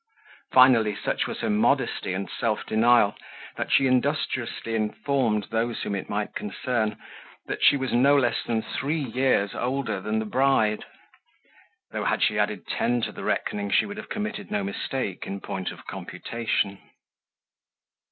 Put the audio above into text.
Finally, such was her modesty and self denial that she industriously informed those whom it might concern, that she was no less than three years older than the bride; though had she added ten to the reckoning, she would have committed no mistake in point of computation.